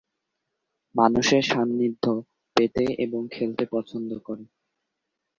মানুষের সান্নিধ্য পেতে এবং খেলতে পছন্দ করে।